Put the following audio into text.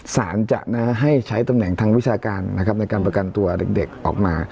สารจะให้ใช้ตำแหน่งทางวิชาการนะครับในการประกันตัวเด็กออกมา